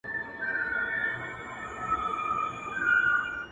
دغه غوښتنه كوي دا اوس د دعــا پــــر پـــــــاڼـــــه؛